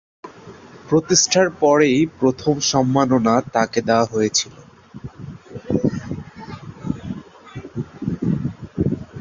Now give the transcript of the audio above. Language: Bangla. প্রতিষ্ঠার পরই প্রথম সম্মাননা তাকে দেওয়া হয়েছিল।